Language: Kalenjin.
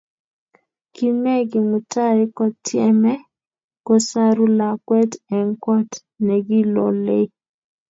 Kimee Kimutai kotyeme kosaru lakwet eng kot nekilolei